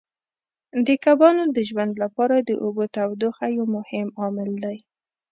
د کبانو د ژوند لپاره د اوبو تودوخه یو مهم عامل دی.